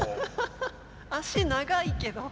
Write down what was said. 足長いけど。